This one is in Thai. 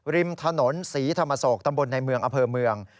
ริมถนนศรีธรรมโศกตำบลในเมืองอำเภอเมือง